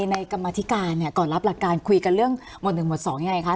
ในกรรมฐิการก่อนรับหลักการคุยกับเรื่องหมวดหนึ่งหมวดสองยังไงคะ